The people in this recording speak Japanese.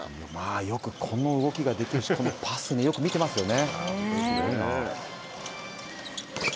よくこの動きができるし、このパスもよく見てますよね。